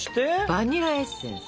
バニラエッセンス！